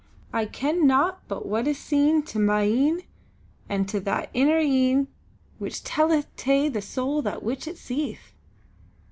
"I ken naught but what is seen to ma een, and to that inner e'e which telleth tae the soul that which it seeth!"